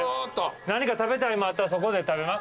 何か食べたいもんあったらそこで食べます？